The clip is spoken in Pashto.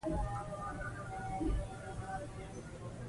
ماشومان په لوبو کې خپل قوت او زړورتیا ازمويي.